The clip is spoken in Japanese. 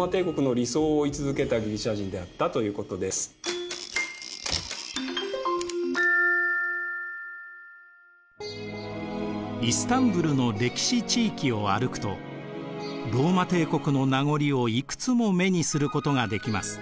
いわばイスタンブルの歴史地域を歩くとローマ帝国の名残をいくつも目にすることができます。